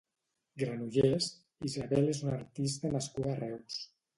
Granollers, Isabel és una artista nascuda a Reus.